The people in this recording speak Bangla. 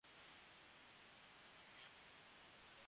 সব ধরনের মন-মালিন্য দূর করে দেয়।